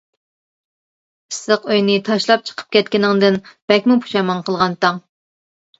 ئىسسىق ئۆينى تاشلاپ چىقىپ كەتكىنىڭدىن بەكمۇ پۇشايمان قىلغانتىڭ.